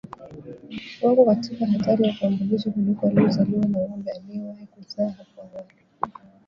wako katika hatari ya kuambukizwa kuliko waliozaliwa na ng'ombe aliyewahi kuzaa hapo awali